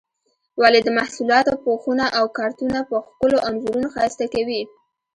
ولې د محصولاتو پوښونه او کارتنونه په ښکلو انځورونو ښایسته کوي؟